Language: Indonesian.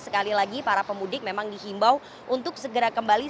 sekali lagi para pemudik memang dihimbau untuk segera kembali